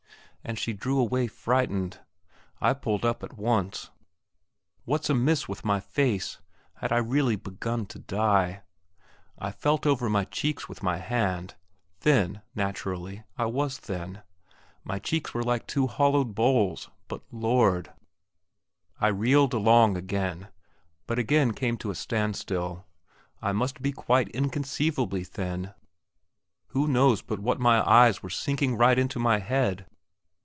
and she drew away frightened. I pulled up at once: What's amiss with my face? Had I really begun to die? I felt over my cheeks with my hand; thin naturally, I was thin my cheeks were like two hollowed bowls; but Lord ... I reeled along again, but again came to a standstill; I must be quite inconceivably thin. Who knows but that my eyes were sinking right into my head?